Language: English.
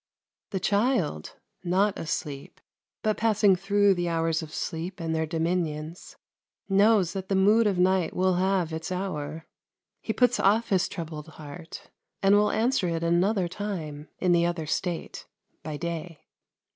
The child, not asleep, but passing through the hours of sleep and their dominions, knows that the mood of night will have its hour; he puts off his troubled heart, and will answer it another time, in the other state, by day.